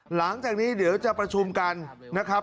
หลังจากนี้เดี๋ยวจะประชุมกันนะครับ